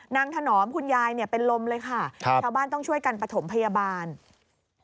นางถนอมคุณยายเป็นลมเลยค่ะชาวบ้านต้องช่วยกันปฐมพยาบาลใช่ครับ